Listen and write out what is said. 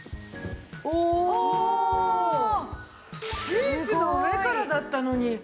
シーツの上からだったのに。